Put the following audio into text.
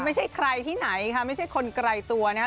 ไม่ใช่ใครที่ไหนค่ะไม่ใช่คนไกลตัวนะคะ